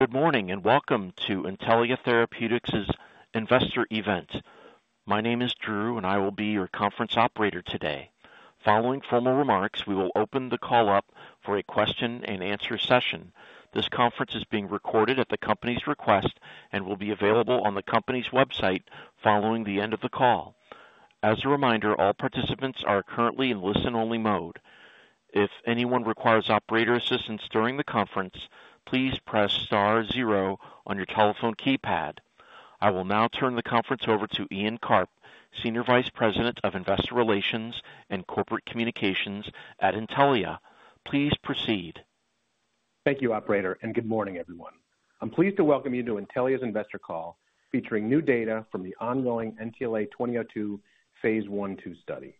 Good morning, and welcome to Intellia Therapeutics' Investor Event. My name is Drew, and I will be your conference operator today. Following formal remarks, we will open the call up for a question-and-answer session. This conference is being recorded at the company's request and will be available on the company's website following the end of the call. As a reminder, all participants are currently in listen-only mode. If anyone requires operator assistance during the conference, please press star zero on your telephone keypad. I will now turn the conference over to Ian Karp, Senior Vice President of Investor Relations and Corporate Communications at Intellia. Please proceed. Thank you, operator, and good morning, everyone. I'm pleased to welcome you to Intellia's investor call, featuring new data from the ongoing NTLA-2002 Phase I/II study.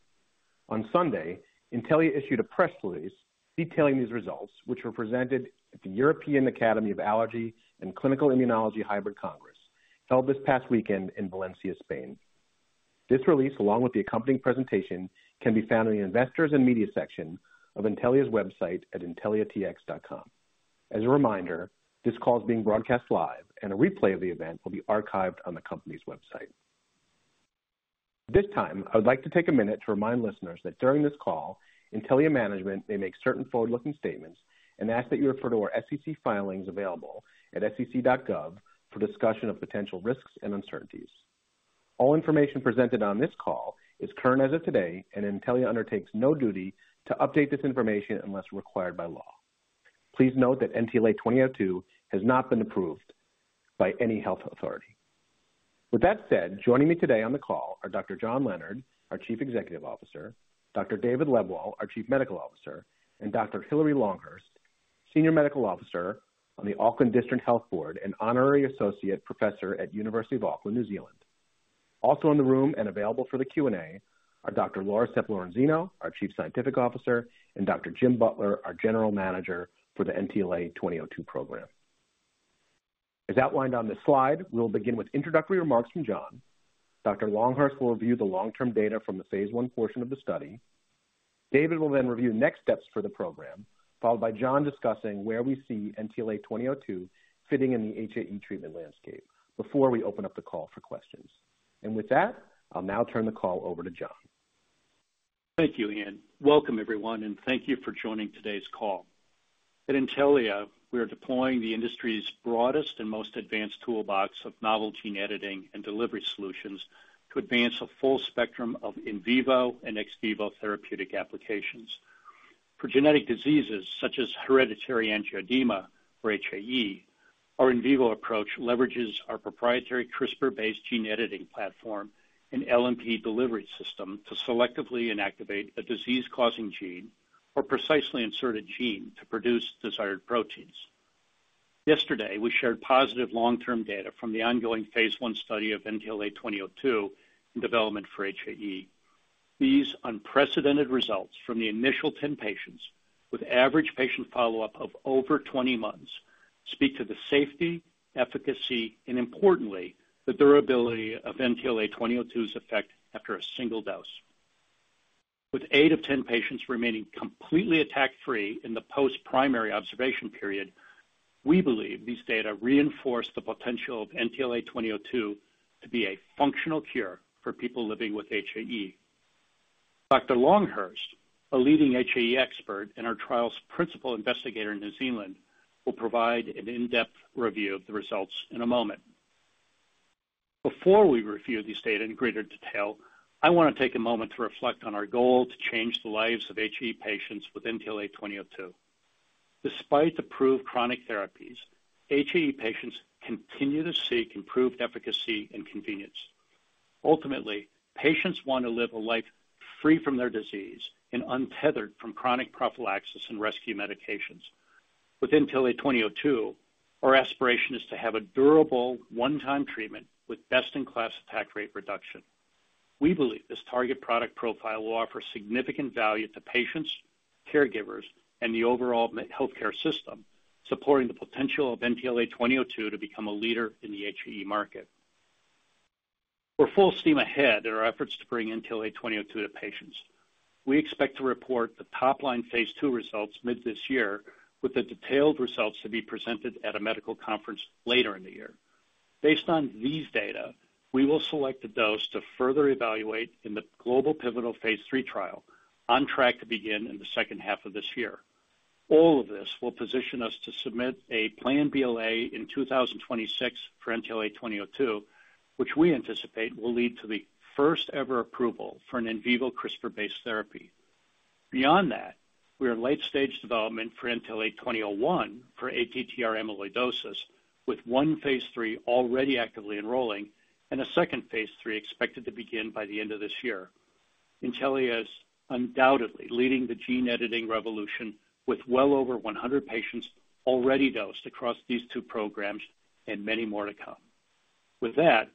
On Sunday, Intellia issued a press release detailing these results, which were presented at the European Academy of Allergy and Clinical Immunology Hybrid Congress, held this past weekend in Valencia, Spain. This release, along with the accompanying presentation, can be found in the Investors and Media section of Intellia's website at intelliatx.com. As a reminder, this call is being broadcast live, and a replay of the event will be archived on the company's website. At this time, I would like to take a minute to remind listeners that during this call, Intellia management may make certain forward-looking statements and ask that you refer to our SEC filings available at sec.gov for discussion of potential risks and uncertainties. All information presented on this call is current as of today, and Intellia undertakes no duty to update this information unless required by law. Please note that NTLA-2002 has not been approved by any health authority. With that said, joining me today on the call are Dr. John Leonard, our Chief Executive Officer, Dr. David Lebwohl, our Chief Medical Officer, and Dr. Hilary Longhurst, Senior Medical Officer on the Auckland District Health Board and Honorary Associate Professor at University of Auckland, New Zealand. Also in the room and available for the Q&A are Dr. Laura Sepp-Lorenzino, our Chief Scientific Officer, and Dr. Jim Butler, our General Manager for the NTLA-2002 program. As outlined on this slide, we'll begin with introductory remarks from John. Dr. Longhurst will review the long-term data from the Phase I portion of the study. David will then review next steps for the program, followed by John discussing where we see NTLA-2002 fitting in the HAE treatment landscape before we open up the call for questions. With that, I'll now turn the call over to John. Thank you, Ian. Welcome, everyone, and thank you for joining today's call. At Intellia, we are deploying the industry's broadest and most advanced toolbox of novel gene editing and delivery solutions to advance a full spectrum of in vivo and ex vivo therapeutic applications. For genetic diseases such as hereditary angioedema, or HAE, our in vivo approach leverages our proprietary CRISPR-based gene editing platform and LNP delivery system to selectively inactivate a disease-causing gene or precisely insert a gene to produce desired proteins. Yesterday, we shared positive long-term data from the ongoing Phase I study of NTLA-2002 in development for HAE. These unprecedented results from the initial 10 patients with average patient follow-up of over 20 months speak to the safety, efficacy and importantly, the durability of NTLA-2002's effect after a single dose. With eight of 10 patients remaining completely attack-free in the post-primary observation period, we believe these data reinforce the potential of NTLA-2002 to be a functional cure for people living with HAE. Dr. Longhurst, a leading HAE expert and our trial's principal investigator in New Zealand, will provide an in-depth review of the results in a moment. Before we review these data in greater detail, I want to take a moment to reflect on our goal to change the lives of HAE patients with NTLA-2002. Despite approved chronic therapies, HAE patients continue to seek improved efficacy and convenience. Ultimately, patients want to live a life free from their disease and untethered from chronic prophylaxis and rescue medications. With NTLA-2002, our aspiration is to have a durable one-time treatment with best-in-class attack rate reduction. We believe this target product profile will offer significant value to patients, caregivers, and the overall healthcare system, supporting the potential of NTLA-2002 to become a leader in the HAE market. We're full steam ahead in our efforts to bring NTLA-2002 to patients. We expect to report the top-line Phase II results mid this year, with the detailed results to be presented at a medical conference later in the year. Based on these data, we will select a dose to further evaluate in the global pivotal Phase III trial, on track to begin in the second half of this year. All of this will position us to submit a planned BLA in 2026 for NTLA-2002, which we anticipate will lead to the first-ever approval for an in vivo CRISPR-based therapy. Beyond that, we are in late-stage development for NTLA-2001 for ATTR amyloidosis, with one Phase III already actively enrolling and a second Phase III expected to begin by the end of this year. Intellia is undoubtedly leading the gene editing revolution, with well over 100 patients already dosed across these two programs and many more to come. With that,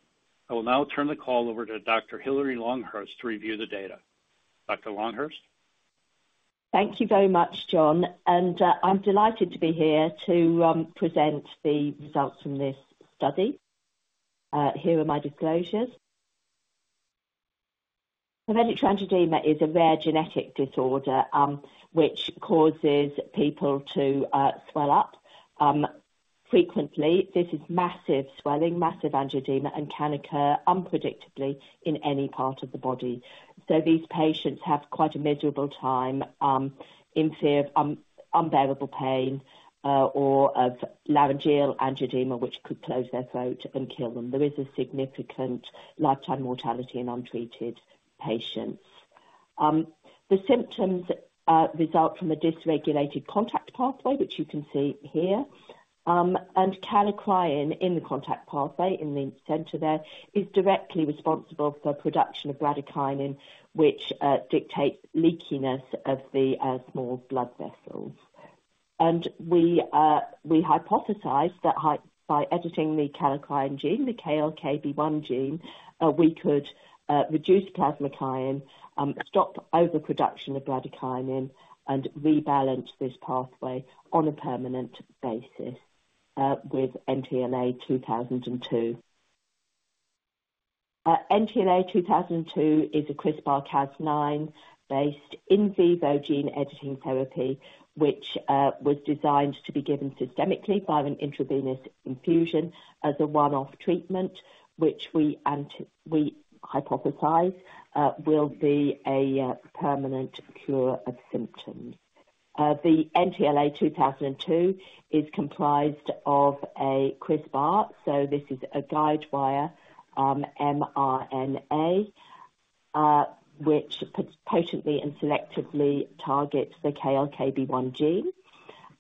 I will now turn the call over to Dr. Hilary Longhurst to review the data. Dr. Longhurst? Thank you very much, John, and I'm delighted to be here to present the results from this study. Here are my disclosures. Hereditary angioedema is a rare genetic disorder, which causes people to swell up. Frequently, this is massive swelling, massive angioedema, and can occur unpredictably in any part of the body. So these patients have quite a miserable time, in fear of unbearable pain, or of laryngeal angioedema, which could close their throat and kill them. There is a significant lifetime mortality in untreated patients. The symptoms result from a dysregulated contact pathway, which you can see here. Kallikrein in the contact pathway, in the center there, is directly responsible for production of bradykinin, which dictates leakiness of the small blood vessels. We hypothesized that by editing the kallikrein gene, the KLKB1 gene, we could reduce plasminogen, stop overproduction of bradykinin, and rebalance this pathway on a permanent basis with NTLA-2002. NTLA-2002 is a CRISPR-Cas9-based in vivo gene editing therapy, which was designed to be given systemically via an intravenous infusion as a one-off treatment, which we hypothesized will be a permanent cure of symptoms. The NTLA-2002 is comprised of a CRISPR, so this is a guide RNA mRNA, which potently and selectively targets the KLKB1 gene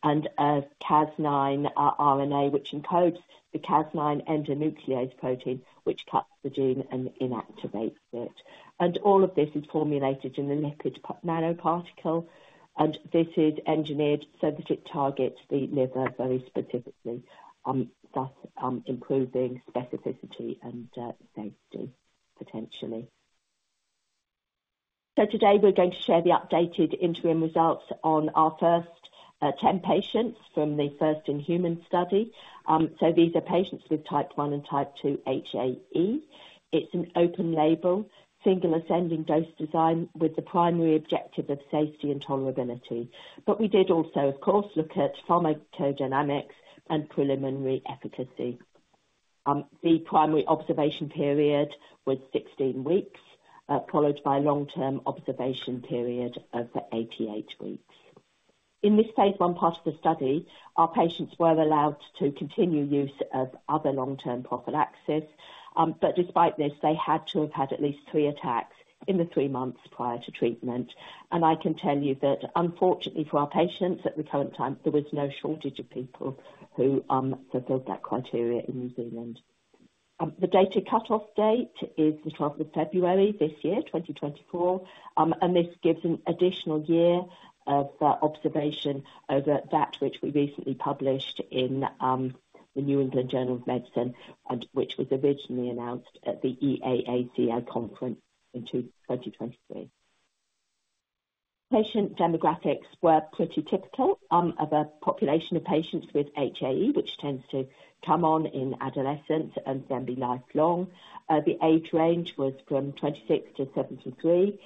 and a Cas9 RNA, which encodes the Cas9 endonuclease protein, which cuts the gene and inactivates it. All of this is formulated in a lipid nanoparticle, and this is engineered so that it targets the liver very specifically, thus improving specificity and safety potentially. So today, we're going to share the updated interim results on our first 10 patients from the first in-human study. So these are patients with Type 1 and Type 2 HAE. It's an open-label, single ascending dose design with the primary objective of safety and tolerability. But we did also, of course, look at pharmacodynamics and preliminary efficacy. The primary observation period was 16 weeks, followed by a long-term observation period of 88 weeks. In this Phase I part of the study, our patients were allowed to continue use of other long-term prophylaxis. But despite this, they had to have had at least three attacks in the three months prior to treatment, and I can tell you that unfortunately for our patients, at the current time, there was no shortage of people who fulfilled that criteria in New Zealand. The data cut-off date is the 12th of February this year, 2024. This gives an additional year of observation over that which we recently published in the New England Journal of Medicine and which was originally announced at the EAACI conference in 2023. Patient demographics were pretty typical of a population of patients with HAE, which tends to come on in adolescence and then be lifelong. The age range was from 26-73.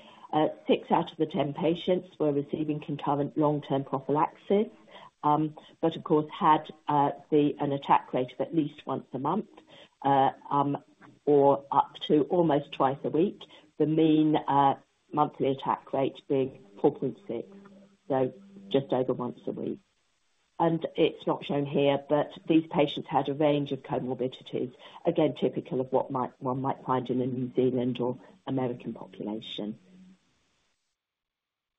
Six out of the 10 patients were receiving concurrent long-term prophylaxis, but of course, had an attack rate of at least once a month or up to almost twice a week. The mean monthly attack rate being 4.6, so just over once a week. It's not shown here, but these patients had a range of comorbidities, again, typical of one might find in a New Zealand or American population.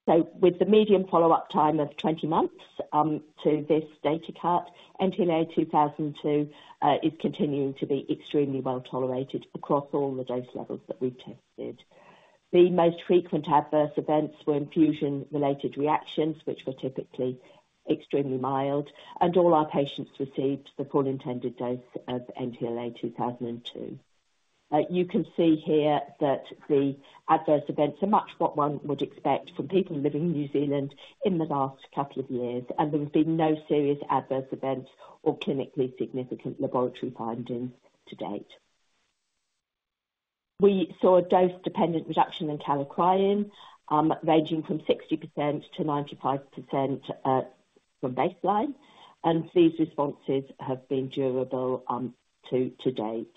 So with the median follow-up time of 20 months to this data cut, NTLA-2002 is continuing to be extremely well-tolerated across all the dose levels that we've tested. The most frequent adverse events were infusion-related reactions, which were typically extremely mild, and all our patients received the full intended dose of NTLA-2002. You can see here that the adverse events are much what one would expect from people living in New Zealand in the last couple of years, and there have been no serious adverse events or clinically significant laboratory findings to date. We saw a dose-dependent reduction in kallikrein, ranging from 60%-95%, from baseline, and these responses have been durable, to-date,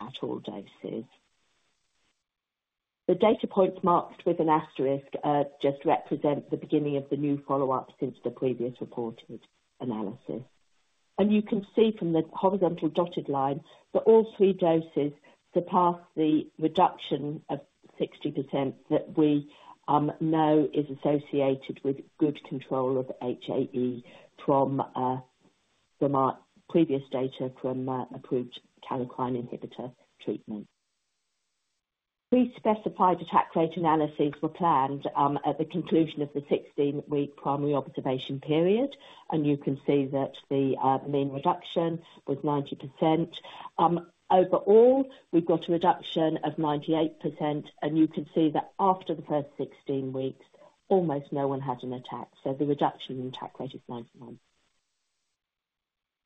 at all doses. The data points marked with an asterisk just represent the beginning of the new follow-up since the previous reported analysis. You can see from the horizontal dotted line that all three doses surpass the reduction of 60% that we know is associated with good control of HAE from our previous data from approved kallikrein inhibitor treatment. Pre-specified attack rate analyses were planned at the conclusion of the 16-week primary observation period, and you can see that the mean reduction was 90%. Overall, we've got a reduction of 98%, and you can see that after the first 16 weeks, almost no one had an attack, so the reduction in attack rate is 91%.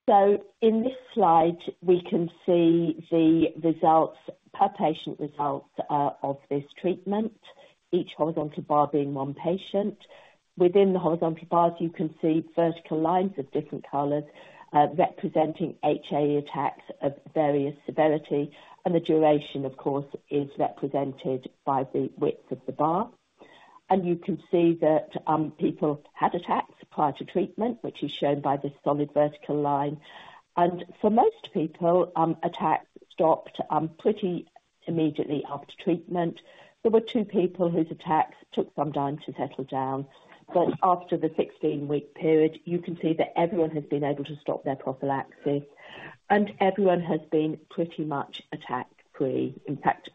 So in this slide, we can see the results, per patient results, of this treatment, each horizontal bar being one patient. Within the horizontal bars, you can see vertical lines of different colors, representing HAE attacks of various severity, and the duration, of course, is represented by the width of the bar. You can see that, people had attacks prior to treatment, which is shown by this solid vertical line and for most people, attacks stopped, pretty immediately after treatment. There were two people whose attacks took some time to settle down, but after the 16-week period, you can see that everyone has been able to stop their prophylaxis and everyone has been pretty much attack-free. In fact,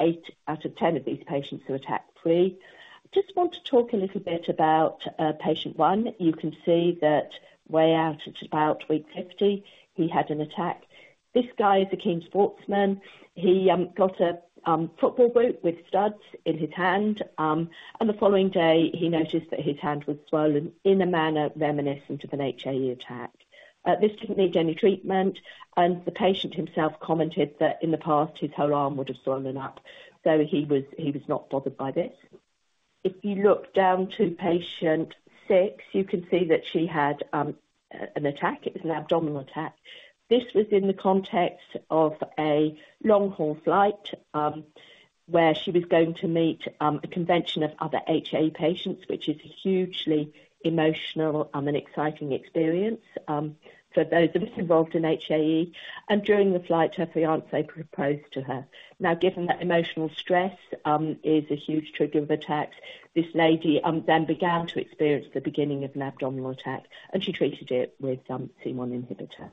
eight out of 10 of these patients are attack-free. I just want to talk a little bit about Patient 1. You can see that way out at about week 50, he had an attack. This guy is a keen sportsman. He got a football boot with studs in his hand, and the following day, he noticed that his hand was swollen in a manner reminiscent of an HAE attack. This didn't need any treatment, and the patient himself commented that in the past, his whole arm would have swollen up, so he was not bothered by this. If you look down to Patient 6, you can see that she had an attack. It was an abdominal attack. This was in the context of a long-haul flight, where she was going to meet a convention of other HAE patients, which is a hugely emotional and exciting experience for those of us involved in HAE. During the flight, her fiancé proposed to her. Now, given that emotional stress is a huge trigger of attacks, this lady then began to experience the beginning of an abdominal attack, and she treated it with some C1 inhibitor.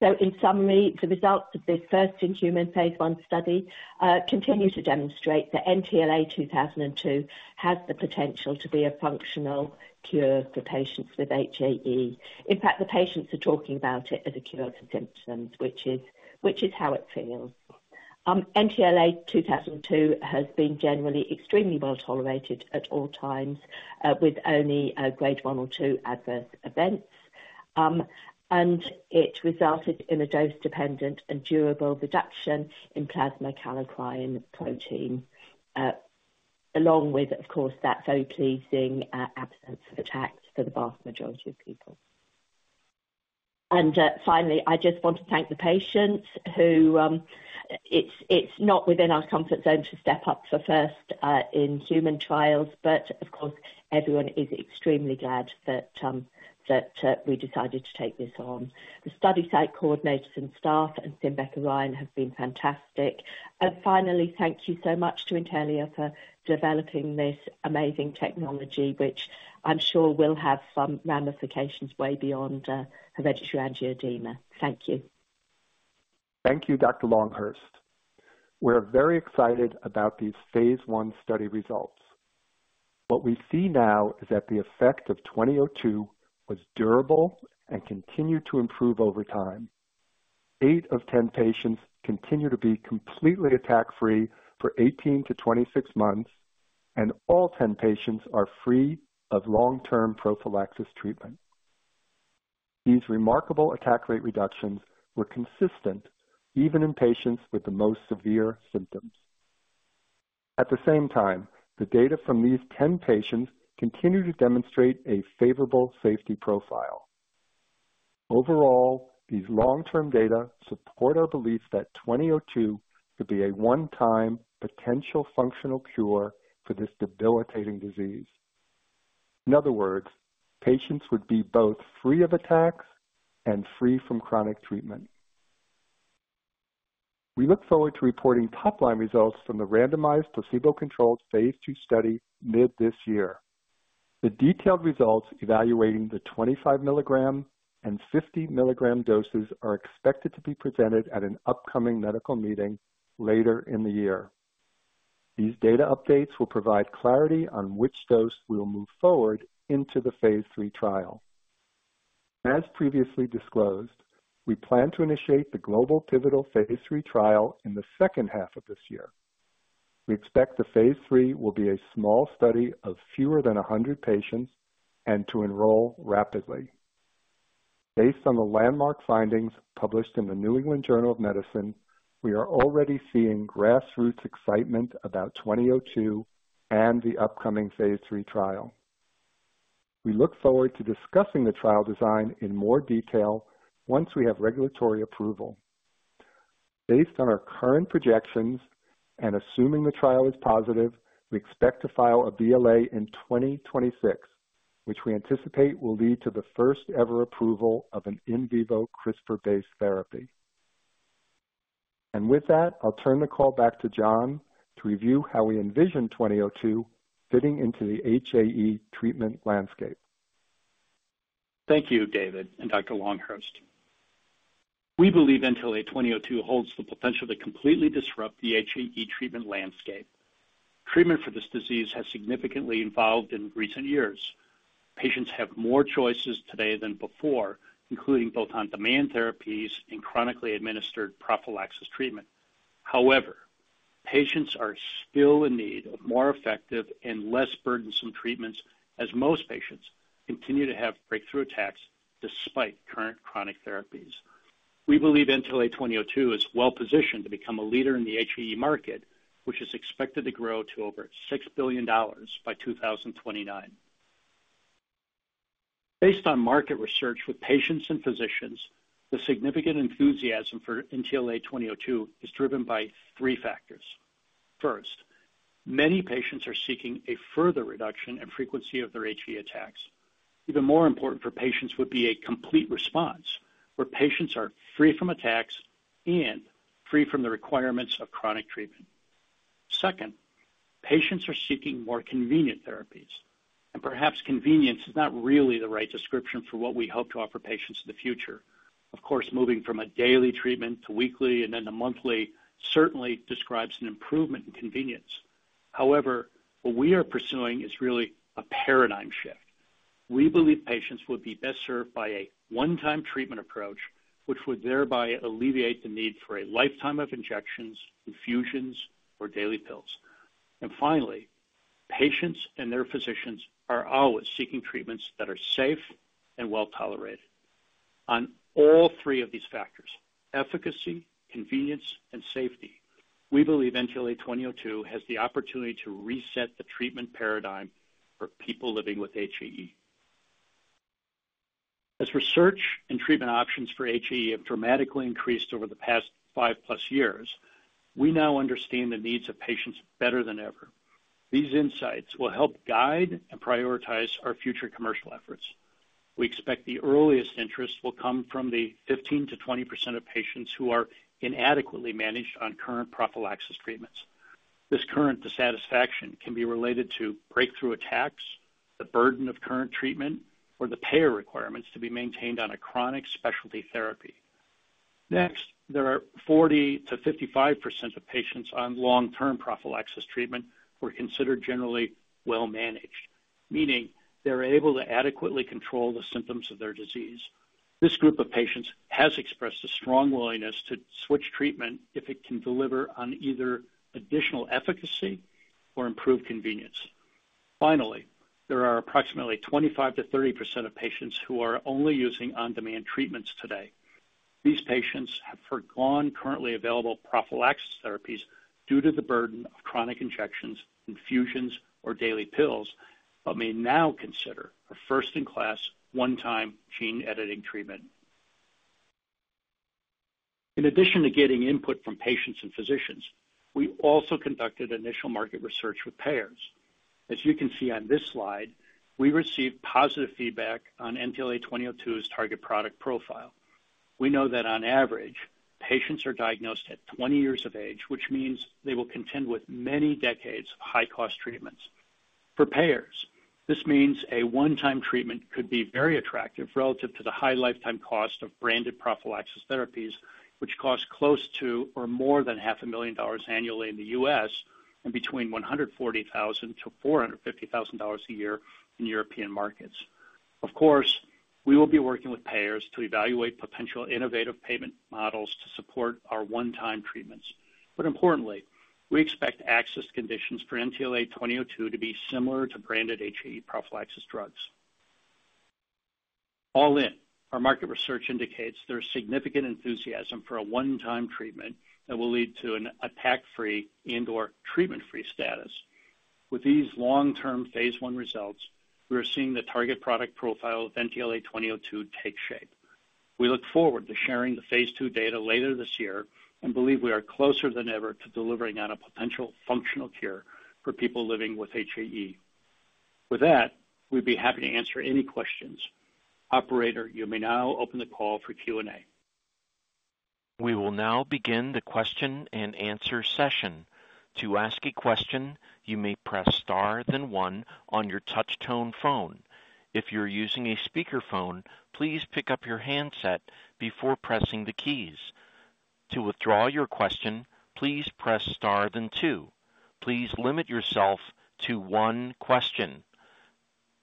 So in summary, the results of this first-in-human phase one study continue to demonstrate that NTLA-2002 has the potential to be a functional cure for patients with HAE. In fact, the patients are talking about it as a cure for symptoms, which is, which is how it feels. NTLA-2002 has been generally extremely well-tolerated at all times, with only a Grade 1 or 2 adverse events. It resulted in a dose-dependent and durable reduction in plasma kallikrein protein, along with, of course, that very pleasing, absence of attacks for the vast majority of people. Finally, I just want to thank the patients who, it's, it's not within our comfort zone to step up for first in human trials, but of course, everyone is extremely glad that, that, we decided to take this on. The study site coordinators and staff and Rebecca Ryan have been fantastic. Finally, thank you so much to Intellia for developing this amazing technology, which I'm sure will have some ramifications way beyond hereditary angioedema. Thank you. Thank you, Dr. Longhurst. We're very excited about these Phase I study results. What we see now is that the effect of 2002 was durable and continued to improve over time. Eight of 10 patients continue to be completely attack-free for 18-26 months, and all 10 patients are free of long-term prophylaxis treatment. These remarkable attack rate reductions were consistent even in patients with the most severe symptoms. At the same time, the data from these 10 patients continue to demonstrate a favorable safety profile. Overall, these long-term data support our belief that 2002 could be a one-time potential functional cure for this debilitating disease. In other words, patients would be both free of attacks and free from chronic treatment. We look forward to reporting top-line results from the randomized, placebo-controlled Phase II study mid this year. The detailed results evaluating the 25 mg and 50 mg doses are expected to be presented at an upcoming medical meeting later in the year. These data updates will provide clarity on which dose we'll move forward into the Phase III trial. As previously disclosed, we plan to initiate the global pivotal Phase III trial in the second half of this year. We expect the Phase III will be a small study of fewer than 100 patients and to enroll rapidly. Based on the landmark findings published in the New England Journal of Medicine, we are already seeing grassroots excitement about 2002 and the upcoming Phase III trial. We look forward to discussing the trial design in more detail once we have regulatory approval. Based on our current projections and assuming the trial is positive, we expect to file a BLA in 2026, which we anticipate will lead to the first-ever approval of an in vivo CRISPR-based therapy. With that, I'll turn the call back to John to review how we envision 2002 fitting into the HAE treatment landscape. Thank you, David and Dr. Longhurst. We believe NTLA-2002 holds the potential to completely disrupt the HAE treatment landscape. Treatment for this disease has significantly evolved in recent years. Patients have more choices today than before, including both on-demand therapies and chronically administered prophylaxis treatment. However patients are still in need of more effective and less burdensome treatments, as most patients continue to have breakthrough attacks despite current chronic therapies. We believe NTLA-2002 is well-positioned to become a leader in the HAE market, which is expected to grow to over $6 billion by 2029. Based on market research with patients and physicians, the significant enthusiasm for NTLA-2002 is driven by three factors. First, many patients are seeking a further reduction in frequency of their HAE attacks. Even more important for patients would be a complete response, where patients are free from attacks and free from the requirements of chronic treatment. Second, patients are seeking more convenient therapies, and perhaps convenience is not really the right description for what we hope to offer patients in the future. Of course, moving from a daily treatment to weekly and then to monthly certainly describes an improvement in convenience. However, what we are pursuing is really a paradigm shift. We believe patients would be best served by a one-time treatment approach, which would thereby alleviate the need for a lifetime of injections, infusions, or daily pills. Finally, patients and their physicians are always seeking treatments that are safe and well-tolerated. On all three of these factors, efficacy, convenience, and safety, we believe NTLA-2002 has the opportunity to reset the treatment paradigm for people living with HAE. As research and treatment options for HAE have dramatically increased over the past 5+ years, we now understand the needs of patients better than ever. These insights will help guide and prioritize our future commercial efforts. We expect the earliest interest will come from the 15%-20% of patients who are inadequately managed on current prophylaxis treatments. This current dissatisfaction can be related to breakthrough attacks, the burden of current treatment, or the payer requirements to be maintained on a chronic specialty therapy. Next, there are 40%-55% of patients on long-term prophylaxis treatment who are considered generally well-managed, meaning they're able to adequately control the symptoms of their disease. This group of patients has expressed a strong willingness to switch treatment if it can deliver on either additional efficacy or improved convenience. Finally, there are approximately 25%-30% of patients who are only using on-demand treatments today. These patients have foregone currently available prophylaxis therapies due to the burden of chronic injections, infusions, or daily pills, but may now consider a first-in-class, one-time gene editing treatment. In addition to getting input from patients and physicians, we also conducted initial market research with payers. As you can see on this slide, we received positive feedback on NTLA-2002's target product profile. We know that on average, patients are diagnosed at 20 years of age, which means they will contend with many decades of high-cost treatments. For payers, this means a one-time treatment could be very attractive relative to the high lifetime cost of branded prophylaxis therapies, which cost close to or more than $500,000 annually in the U.S. and between $140,000-$450,000 a year in European markets. Of course, we will be working with payers to evaluate potential innovative payment models to support our one-time treatments. But importantly, we expect access conditions for NTLA-2002 to be similar to branded HAE prophylaxis drugs. All in, our market research indicates there's significant enthusiasm for a one-time treatment that will lead to an attack-free and/or treatment-free status. With these long-term Phase I results, we are seeing the target product profile of NTLA-2002 take shape. We look forward to sharing the Phase II data later this year and believe we are closer than ever to delivering on a potential functional cure for people living with HAE. With that, we'd be happy to answer any questions. Operator, you may now open the call for Q&A. We will now begin the question-and-answer session. To ask a question, you may press star, then one on your touch tone phone. If you're using a speakerphone, please pick up your handset before pressing the keys. To withdraw your question, please press star then two. Please limit yourself to one question.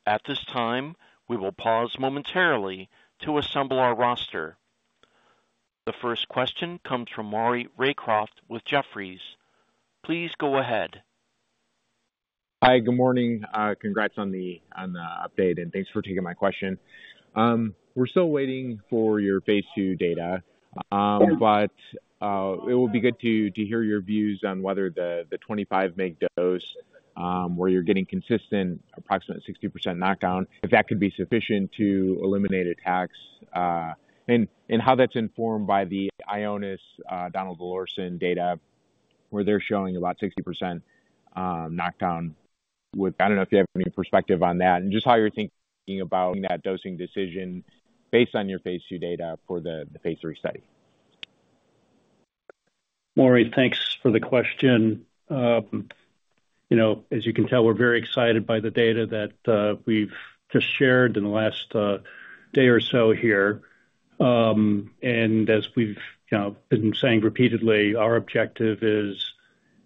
At this time, we will pause momentarily to assemble our roster. The first question comes from Maury Raycroft with Jefferies. Please go ahead. Hi, good morning. Congrats on the update, and thanks for taking my question. We're still waiting for your Phase II data, but it will be good to hear your views on whether the 25 mg dose, where you're getting consistent, approximately 60% knockdown, if that could be sufficient to eliminate attacks. How that's informed by the Ionis donidalorsen data, where they're showing about 60% knockdown. I don't know if you have any perspective on that and just how you're thinking about that dosing decision based on your Phase II data for the Phase III study. Maury, thanks for the question. You know, as you can tell, we're very excited by the data that we've just shared in the last day or so here. As we've, you know, been saying repeatedly, our objective is,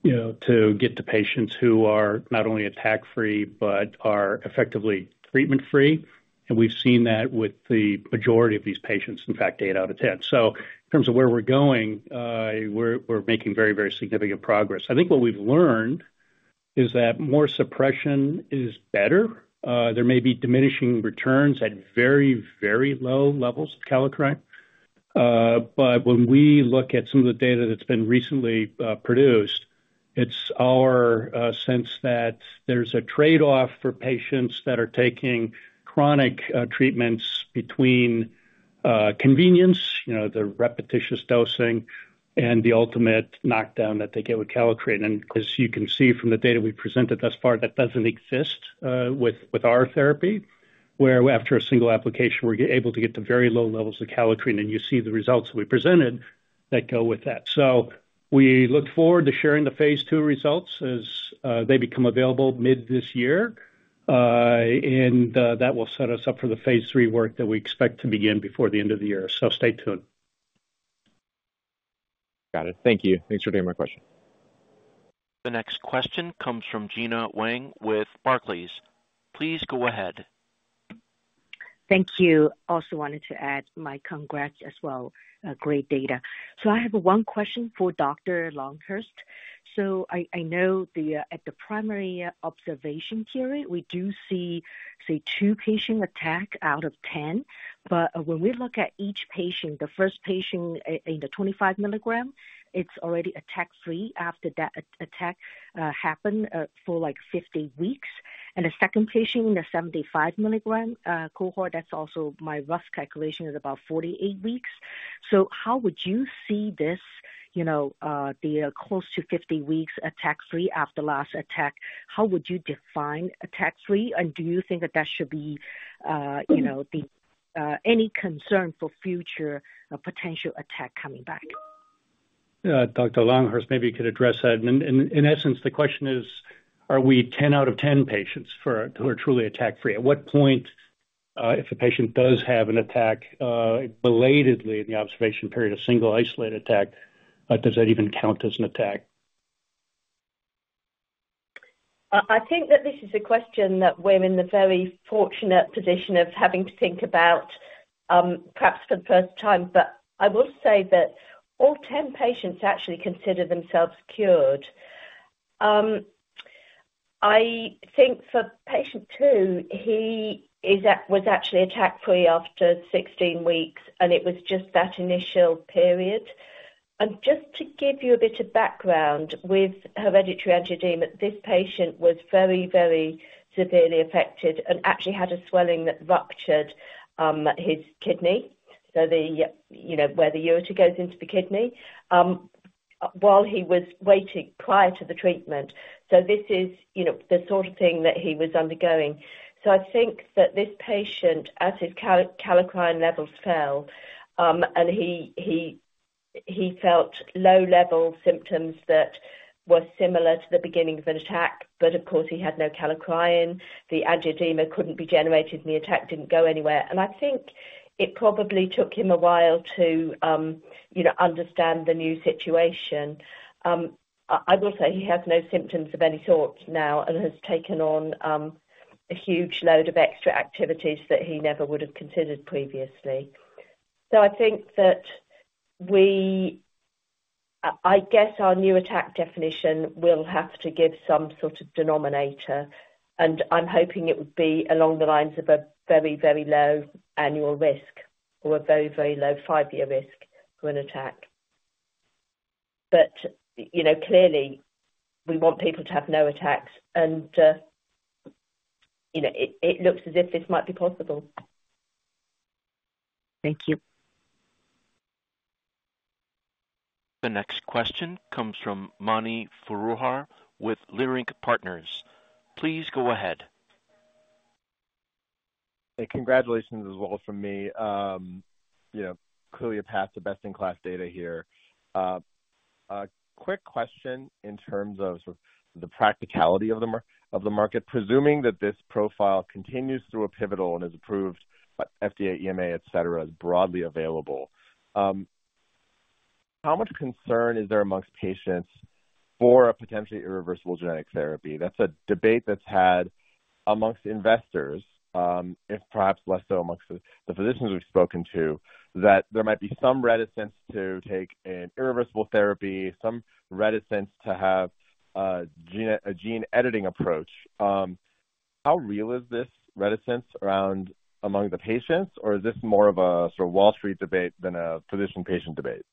you know, to get to patients who are not only attack-free, but are effectively treatment-free. We've seen that with the majority of these patients, in fact, eight out of ten. So in terms of where we're going, we're making very, very significant progress. I think what we've learned is that more suppression is better. There may be diminishing returns at very, very low levels of kallikrein. But when we look at some of the data that's been recently produced, it's our sense that there's a trade-off for patients that are taking chronic treatments between convenience, you know, the repetitious dosing and the ultimate knockdown that they get with kallikrein. As you can see from the data we've presented thus far, that doesn't exist with our therapy, where after a single application, we're able to get to very low levels of kallikrein, and you see the results we presented that go with that. So we look forward to sharing the Phase II results as they become available mid this year and that will set us up for the Phase III work that we expect to begin before the end of the year. So stay tuned. Got it. Thank you. Thanks for taking my question. The next question comes from Gena Wang with Barclays. Please go ahead. Thank you. Also wanted to add my congrats as well. Great data. So I have one question for Dr. Longhurst. So I know the at the primary observation period, we do see, say, two patient attack out of 10, but when we look at each patient, the first patient in the 25 milligram, it's already attack-free after that attack happened for, like, 50 weeks. The second patient in the 75 mg cohort, that's also my rough calculation, is about 48 weeks. So how would you see this, you know, the close to 50 weeks attack-free after last attack? How would you define attack-free, and do you think that that should be, you know, the any concern for future potential attack coming back? Yeah, Dr. Longhurst, maybe you could address that. In essence, the question is, are we 10 out of 10 patients for, who are truly attack-free? At what point, belatedly in the observation period, a single isolated attack, does that even count as an attack? I think that this is a question that we're in the very fortunate position of having to think about, perhaps for the first time. But I will say that all 10 patients actually consider themselves cured. I think for patient two, he was actually attack-free after 16 weeks, and it was just that initial period. Just to give you a bit of background, with hereditary angioedema, this patient was very, very severely affected and actually had a swelling that ruptured his kidney, so the, you know, where the ureter goes into the kidney, while he was waiting, prior to the treatment. So this is, you know, the sort of thing that he was undergoing. So I think that this patient, as his kallikrein levels fell, and he felt low level symptoms that were similar to the beginnings of an attack, but of course, he had no kallikrein. The angioedema couldn't be generated, and the attack didn't go anywhere. I think it probably took him a while to, you know, understand the new situation. I will say he has no symptoms of any sort now and has taken on a huge load of extra activities that he never would have considered previously. So I think that we. I guess our new attack definition will have to give some sort of denominator, and I'm hoping it would be along the lines of a very, very low annual risk or a very, very low five-year risk for an attack. But, you know, clearly we want people to have no attacks, and, you know, it looks as if this might be possible. Thank you. The next question comes from Mani Foroohar with Leerink Partners. Please go ahead. Hey, congratulations as well from me. You know, clearly a path to best-in-class data here. A quick question in terms of the practicality of the market. Presuming that this profile continues through a pivotal and is approved by FDA, EMA, et cetera, is broadly available, how much concern is there amongst patients for a potentially irreversible genetic therapy? That's a debate that's had amongst investors, if perhaps less so amongst the physicians we've spoken to, that there might be some reticence to take an irreversible therapy, some reticence to have a gene editing approach. How real is this reticence among the patients, or is this more of a sort of Wall Street debate than a physician-patient debate?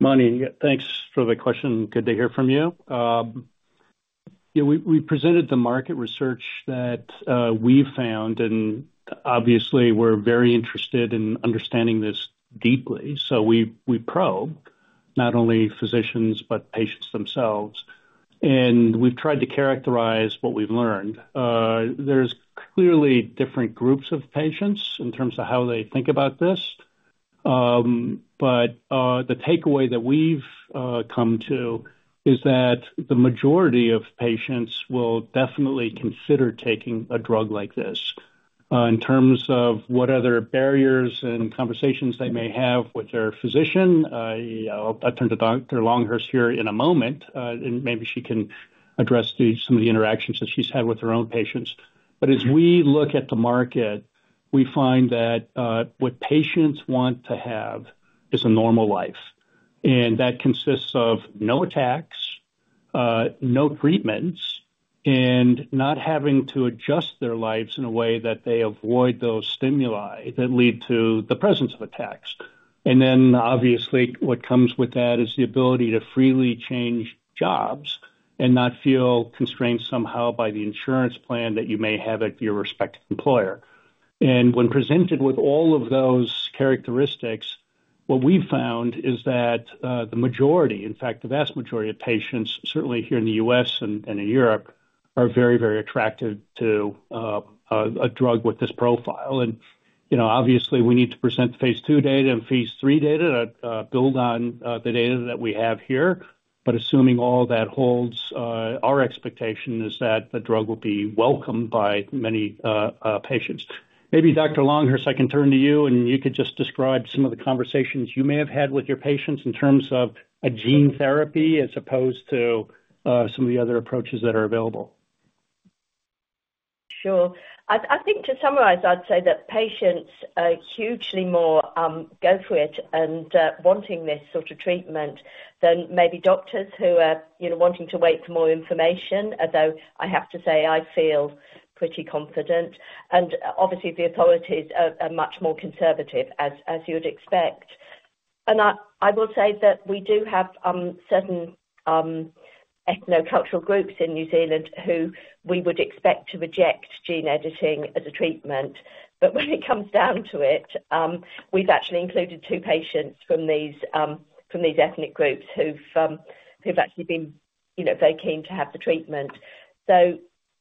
Mani, thanks for the question. Good to hear from you. Yeah, we presented the market research that we found, and obviously we're very interested in understanding this deeply. So we probed not only physicians, but patients themselves, and we've tried to characterize what we've learned. There's clearly different groups of patients in terms of how they think about this. But the takeaway that we've come to is that the majority of patients will definitely consider taking a drug like this. In terms of what other barriers and conversations they may have with their physician, I'll turn to Dr. Longhurst here in a moment, and maybe she can address some of the interactions that she's had with her own patients. But as we look at the market, we find that what patients want to have is a normal life, and that consists of no attacks, no treatments, and not having to adjust their lives in a way that they avoid those stimuli that lead to the presence of attacks. Then, obviously, what comes with that is the ability to freely change jobs and not feel constrained somehow by the insurance plan that you may have at your respective employer. When presented with all of those characteristics, what we found is that the majority, in fact, the vast majority of patients, certainly here in the U.S. and in Europe, are very, very attracted to a drug with this profile. You know, obviously, we need to present the Phase III data and Phase III data to build on the data that we have here. But assuming all that holds, our expectation is that the drug will be welcomed by many patients. Maybe Dr. Longhurst, I can turn to you, and you could just describe some of the conversations you may have had with your patients in terms of a gene therapy, as opposed to some of the other approaches that are available. Sure. I think to summarize, I'd say that patients are hugely more go for it and wanting this sort of treatment than maybe doctors who are, you know, wanting to wait for more information. Although, I have to say, I feel pretty confident, and obviously, the authorities are much more conservative, as you would expect. I will say that we do have certain ethnocultural groups in New Zealand who we would expect to reject gene editing as a treatment. But when it comes down to it, we've actually included two patients from these ethnic groups who've actually been, you know, very keen to have the treatment. So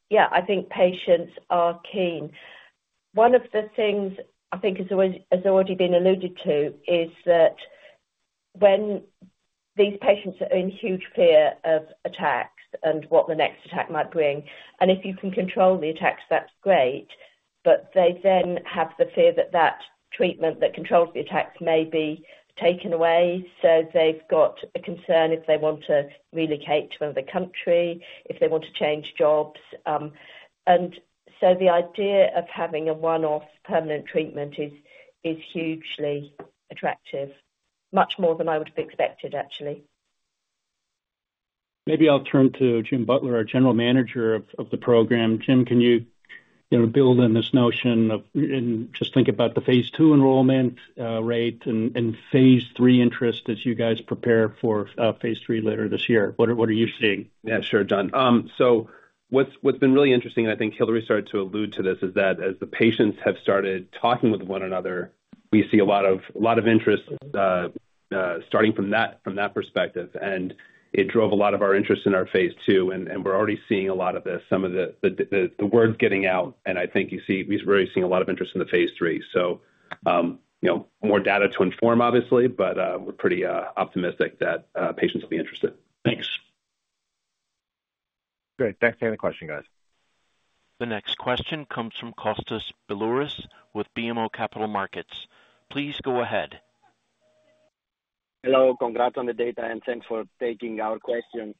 yeah, I think patients are keen. One of the things I think has always, has already been alluded to is that when these patients are in huge fear of attacks and what the next attack might bring, and if you can control the attacks, that's great. But they then have the fear that that treatment that controls the attacks may be taken away, so they've got a concern if they want to relocate to another country, if they want to change jobs. So the idea of having a one-off permanent treatment is, is hugely attractive, much more than I would have expected, actually. Maybe I'll turn to Jim Butler, our general manager of the program. Jim, can you, you know, build on this notion of and just think about the Phase II enrollment rate and Phase III interest as you guys prepare for Phase III later this year? What are you seeing? Yeah, sure, John. So what's been really interesting, and I think Hilary started to allude to this, is that as the patients have started talking with one another, we see a lot of, a lot of interest starting from that, from that perspective, and it drove a lot of our interest in our Phase II, and we're already seeing a lot of this, some of the word's getting out, and I think you see, we're already seeing a lot of interest in the Phase III. So, you know, more data to inform, obviously, but we're pretty optimistic that patients will be interested. Thanks. Great. Thanks for the question, guys. The next question comes from Kostas Biliouris with BMO Capital Markets. Please go ahead. Hello. Congrats on the data, and thanks for taking our question.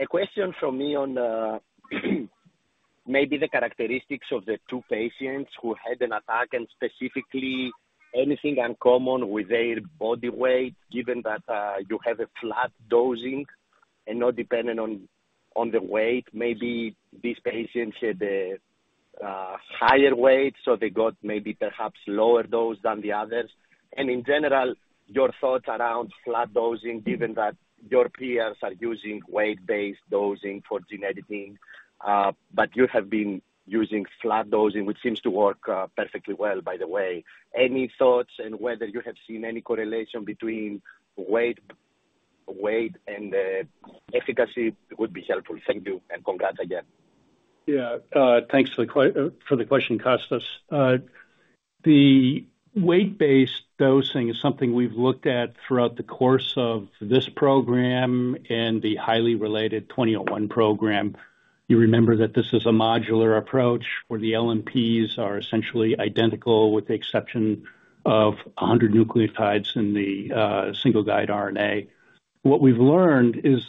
A question from me on, maybe the characteristics of the two patients who had an attack, and specifically, anything uncommon with their body weight, given that, you have a flat dosing and not dependent on, on the weight. Maybe these patients had a higher weight, so they got maybe perhaps lower dose than the others. In general, your thoughts around flat dosing, given that your peers are using weight-based dosing for gene editing, but you have been using flat dosing, which seems to work, perfectly well, by the way. Any thoughts on whether you have seen any correlation between weight, weight and, efficacy would be helpful. Thank you, and congrats again. Yeah, thanks for the question, Kostas. The weight-based dosing is something we've looked at throughout the course of this program and the highly related NTLA-2001 program. You remember that this is a modular approach, where the LNPs are essentially identical, with the exception of 100 nucleotides in the single-guide RNA. What we've learned is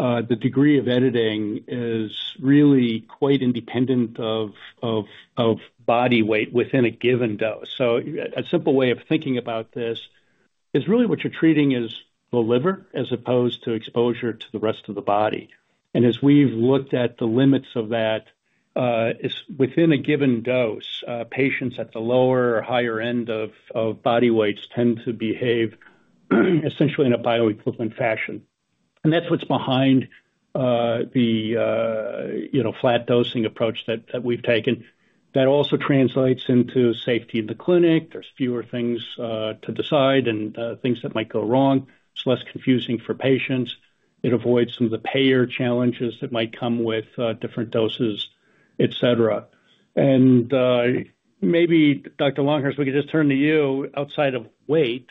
that the degree of editing is really quite independent of body weight within a given dose. So a simple way of thinking about this is really what you're treating is the liver, as opposed to exposure to the rest of the body. As we've looked at the limits of that is within a given dose, patients at the lower or higher end of body weights tend to behave essentially in a bioequivalent fashion. That's what's behind, you know, the flat dosing approach that we've taken. That also translates into safety in the clinic. There's fewer things to decide and things that might go wrong. It's less confusing for patients. It avoids some of the payer challenges that might come with different doses, et cetera. Maybe Dr. Longhurst, we could just turn to you. Outside of weight,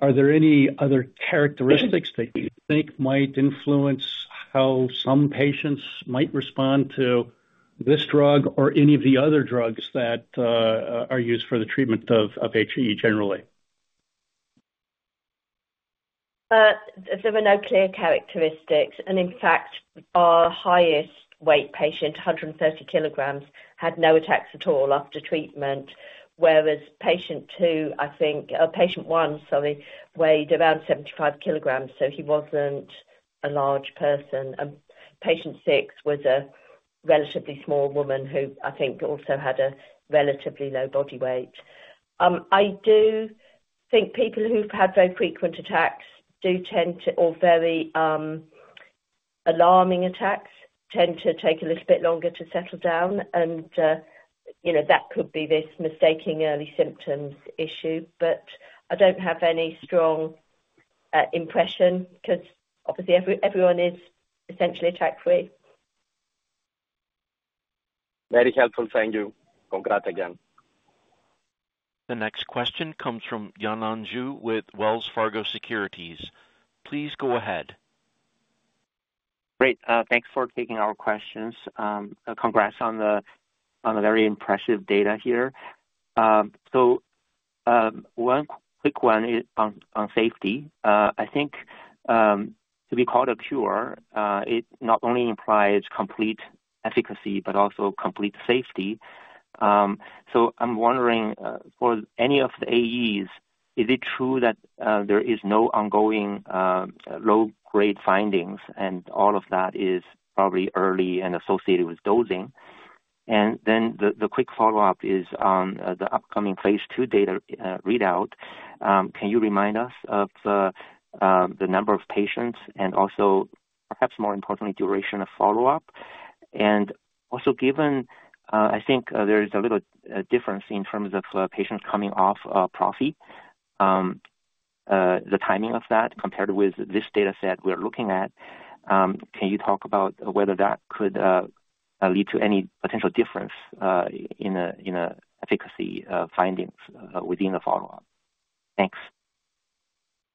are there any other characteristics that you think might influence how some patients might respond to this drug or any of the other drugs that are used for the treatment of HAE generally? There were no clear characteristics, and in fact, our highest weight patient, 130 kg, had no attacks at all after treatment. Whereas patient two, I think, Patient 1, sorry, weighed around 75 kg, so he wasn't a large person. Patient 6 was a relatively small woman who I think also had a relatively low body weight. I do think people who've had very frequent attacks do tend to, or very, alarming attacks, tend to take a little bit longer to settle down, and, you know, that could be this mistaking early symptoms issue. But I don't have any strong impression because obviously everyone is essentially attack-free. Very helpful. Thank you. Congrats again. The next question comes from Yanan Zhu with Wells Fargo Securities. Please go ahead. Great, thanks for taking our questions. Congrats on the very impressive data here. So, one quick one is on safety. I think, to be called a cure, it not only implies complete efficacy but also complete safety. So I'm wondering, for any of the AEs, is it true that there is no ongoing low-grade findings, and all of that is probably early and associated with dosing? Then the quick follow-up is on the upcoming Phase II data readout. Can you remind us of the number of patients and also, perhaps more importantly, duration of follow-up? Also given, I think, there is a little difference in terms of patients coming off prophy, the timing of that, compared with this data set we're looking at, can you talk about whether that could lead to any potential difference in efficacy findings within the follow-up? Thanks.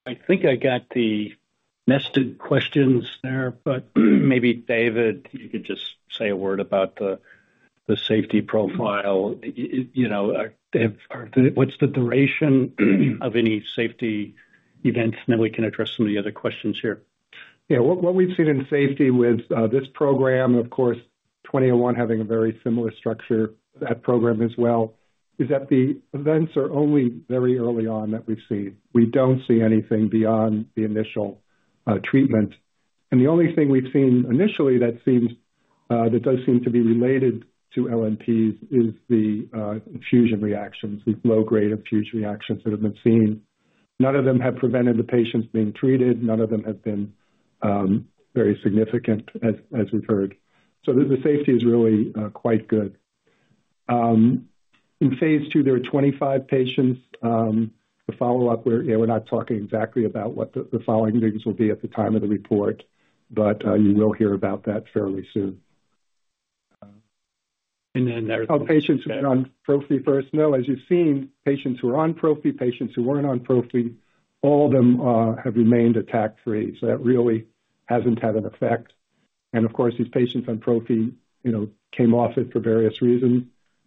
I think I got the nested questions there, but maybe, David, you could just say a word about the safety profile. You know, what’s the duration of any safety events, and then we can address some of the other questions here. Yeah. What, what we've seen in safety with, this program, of course, 2001 having a very similar structure, that program as well, is that the events are only very early on that we've seen. We don't see anything beyond the initial, treatment. The only thing we've seen initially that seems, that does seem to be related to LNPs is the, infusion reactions, these low-grade infusion reactions that have been seen. None of them have prevented the patients being treated. None of them have been, very significant, as, as we've heard. So the, the safety is really, quite good. In Phase II, there are 25 patients. The follow-up, we're, you know, we're not talking exactly about what the, the following readings will be at the time of the report, but, you will hear about that fairly soon. Then- No patients have been on prophy first. Now, as you've seen, patients who are on prophy, patients who weren't on prophy, all of them, have remained attack-free. So that really hasn't had an effect. Of course, these patients on prophy, you know, came off it for various reasons,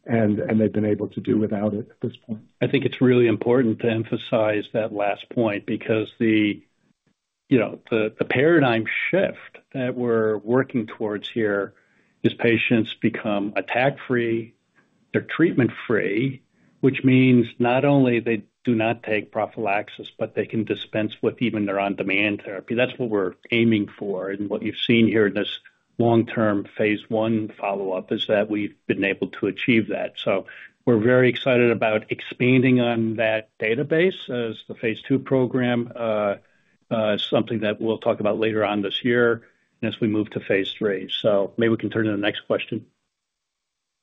and they've been able to do without it at this point. I think it's really important to emphasize that last point, because the, you know, the, the paradigm shift that we're working towards here is patients become attack-free. They're treatment-free, which means not only they do not take prophylaxis, but they can dispense with even their on-demand therapy. That's what we're aiming for, and what you've seen here in this long-term Phase I follow-up is that we've been able to achieve that. So we're very excited about expanding on that database as the Phase II program, something that we'll talk about later on this year as we move to Phase III. So maybe we can turn to the next question.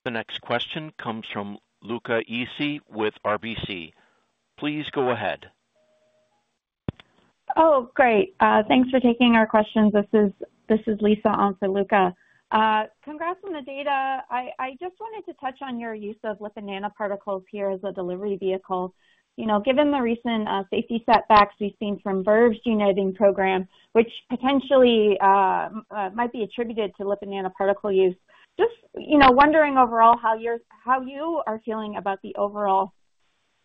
The next question comes from Luca Issi with RBC. Please go ahead. Oh, great. Thanks for taking our questions. This is Lisa, also Luca. Congrats on the data. I just wanted to touch on your use of lipid nanoparticles here as a delivery vehicle. You know, given the recent safety setbacks we've seen from Verve's editing program, which potentially might be attributed to lipid nanoparticle use. Just, you know, wondering overall how you are feeling about the overall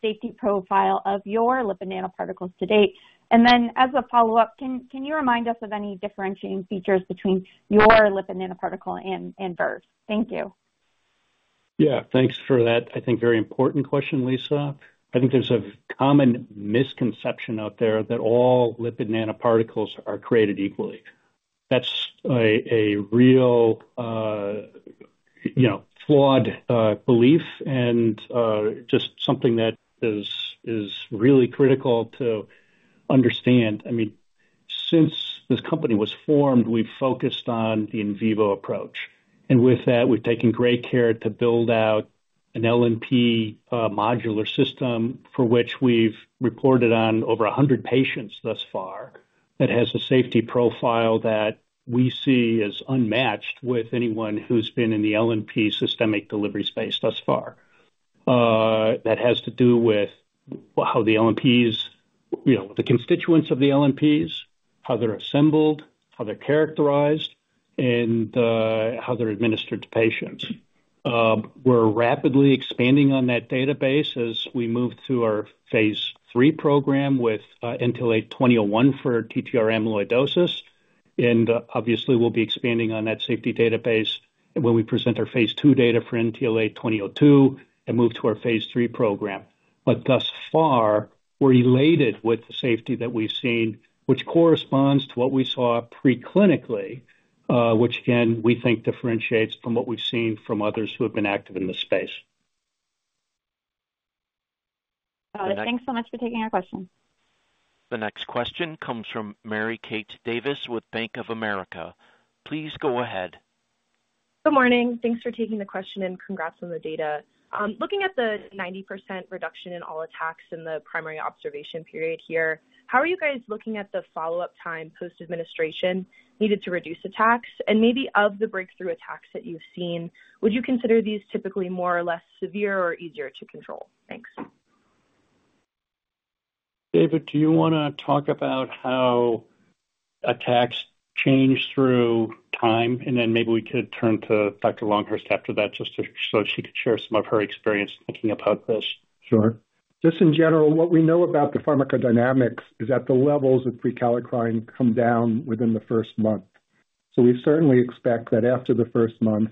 safety profile of your lipid nanoparticles to date. Then, as a follow-up, can you remind us of any differentiating features between your lipid nanoparticle and Verve? Thank you. Yeah, thanks for that, I think, very important question, Lisa. I think there's a common misconception out there that all lipid nanoparticles are created equally. That's a real, you know, flawed belief and just something that is really critical to understand. I mean, since this company was formed, we've focused on the in vivo approach, and with that, we've taken great care to build out an LNP modular system, for which we've reported on over 100 patients thus far, that has a safety profile that we see as unmatched with anyone who's been in the LNP systemic delivery space thus far. That has to do with how the LNPs, you know, the constituents of the LNPs... how they're assembled, how they're characterized, and how they're administered to patients. We're rapidly expanding on that database as we move through our Phase III program with NTLA-2001 for TTR amyloidosis. Obviously, we'll be expanding on that safety database when we present our Phase II data for NTLA-2002 and move to our Phase III program. But thus far, we're elated with the safety that we've seen, which corresponds to what we saw pre-clinically, which again, we think differentiates from what we've seen from others who have been active in this space. Thanks so much for taking our question. The next question comes from Mary Kate Davis with Bank of America. Please go ahead. Good morning. Thanks for taking the question, and congrats on the data. Looking at the 90% reduction in all attacks in the primary observation period here, how are you guys looking at the follow-up time post-administration needed to reduce attacks? Maybe of the breakthrough attacks that you've seen, would you consider these typically more or less severe or easier to control? Thanks. David, do you wanna talk about how attacks change through time, and then maybe we could turn to Dr. Longhurst after that, just so she could share some of her experience thinking about this. Sure. Just in general, what we know about the pharmacodynamics is that the levels of prekallikrein come down within the first month. So we certainly expect that after the first month,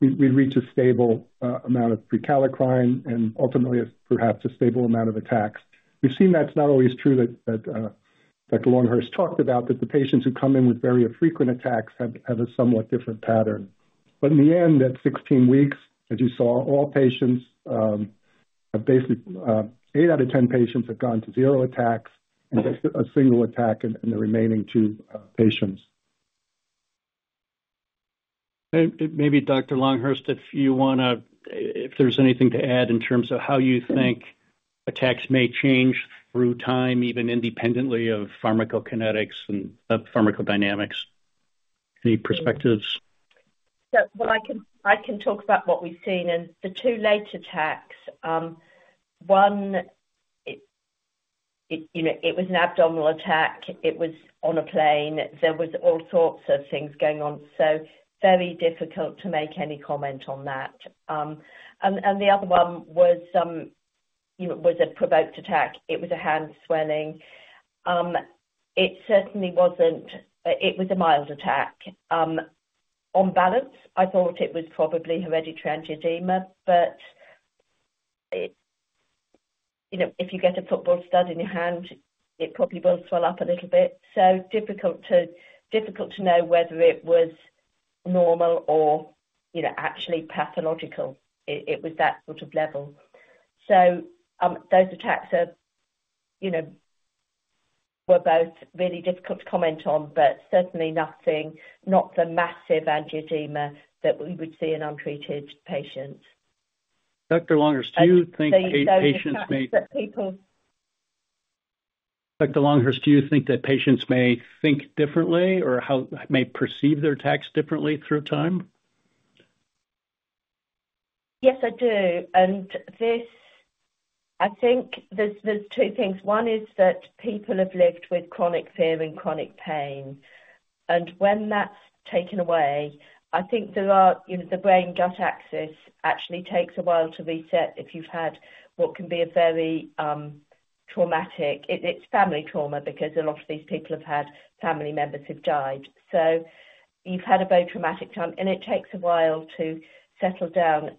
we reach a stable amount of prekallikrein and ultimately perhaps a stable amount of attacks. We've seen that's not always true, that Dr. Longhurst talked about, that the patients who come in with very frequent attacks have a somewhat different pattern. But in the end, at 16 weeks, as you saw, all patients have basically eight out of 10 patients have gone to zero attacks and a single attack in the remaining two patients. Maybe Dr. Longhurst, if you wanna... If there's anything to add in terms of how you think attacks may change through time, even independently of pharmacokinetics and pharmacodynamics. Any perspectives? Yeah. Well, I can talk about what we've seen and the two late attacks. One, you know, it was an abdominal attack. It was on a plane. There was all sorts of things going on, so very difficult to make any comment on that. The other one was, you know, a provoked attack. It was a hand swelling. It certainly wasn't. It was a mild attack. On balance, I thought it was probably hereditary angioedema, but you know, if you get a football stud in your hand, it probably will swell up a little bit. So difficult to know whether it was normal or, you know, actually pathological. It was that sort of level. Those attacks are, you know, were both really difficult to comment on, but certainly nothing, not the massive angioedema that we would see in untreated patients. Dr. Longhurst, do you think patients may- That people- Dr. Longhurst, do you think that patients may think differently or how may perceive their attacks differently through time? Yes, I do. This, I think there's two things. One is that people have lived with chronic fear and chronic pain, and when that's taken away, I think there are, you know, the brain gut axis actually takes a while to reset if you've had what can be a very traumatic, it's family trauma, because a lot of these people have had family members who've died. So you've had a very traumatic time, and it takes a while to settle down.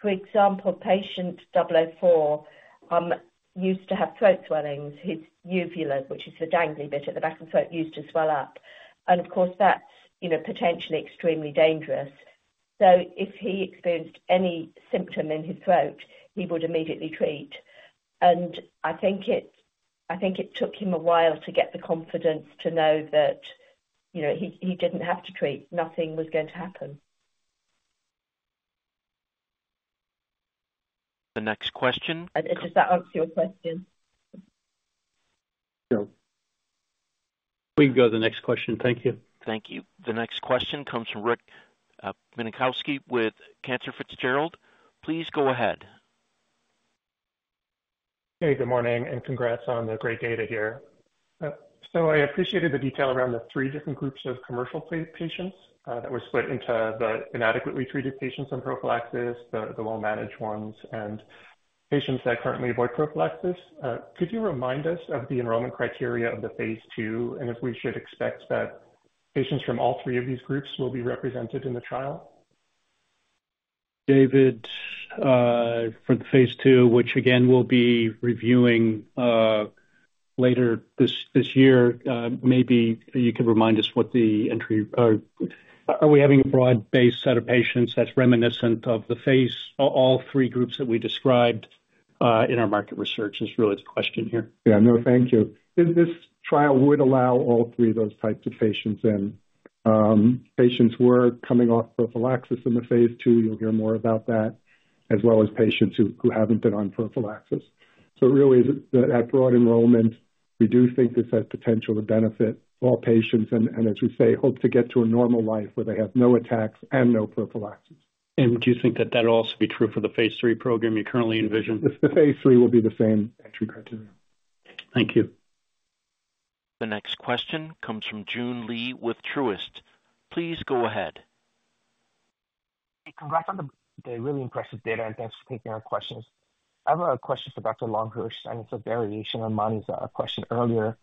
For example, Patient 004 used to have throat swellings. His uvula, which is the dangly bit at the back of the throat, used to swell up. Of course, that's, you know, potentially extremely dangerous. So if he experienced any symptom in his throat, he would immediately treat. I think it took him a while to get the confidence to know that, you know, he didn't have to treat. Nothing was going to happen. The next question- Does that answer your question? Sure. We can go to the next question. Thank you. Thank you. The next question comes from Rick Bienkowski with Cantor Fitzgerald. Please go ahead. Hey, good morning, and congrats on the great data here. I appreciated the detail around the three different groups of commercial patients that were split into the inadequately treated patients on prophylaxis, the well-managed ones, and patients that currently avoid prophylaxis. Could you remind us of the enrollment criteria of the Phase II, and if we should expect that patients from all three of these groups will be represented in the trial? David, for the Phase II, which again, we'll be reviewing later this year, maybe you could remind us what the entry... Are we having a broad-based set of patients that's reminiscent of all three groups that we described in our market research, is really the question here. Yeah. No, thank you. This, this trial would allow all three of those types of patients in. Patients who are coming off prophylaxis in the Phase II, you'll hear more about that, as well as patients who, who haven't been on prophylaxis. So really, at broad enrollment, we do think this has potential to benefit all patients and, and as we say, hope to get to a normal life where they have no attacks and no prophylaxis. Do you think that that will also be true for the Phase III program you currently envision? The Phase III will be the same entry criteria. Thank you. The next question comes from Joon Lee with Truist. Please go ahead. Hey, congrats on the really impressive data, and thanks for taking our questions. I have a question for Dr. Longhurst, and it's a variation on Mani's question earlier.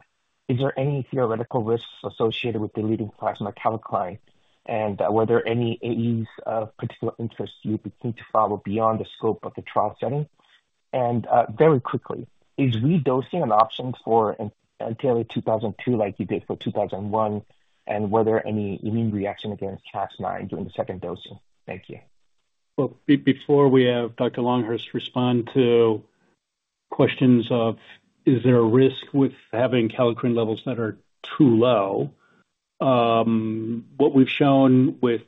Is there any theoretical risks associated with deleting plasma kallikrein? Were there any AEs of particular interest you would need to follow beyond the scope of the trial setting? Very quickly, is re-dosing an option for NTLA-2002, like you did for 2001 and were there any immune reaction against Cas9 during the second dosing? Thank you. Well, before we have Dr. Longhurst respond to questions of is there a risk with having kallikrein levels that are too low, what we've shown with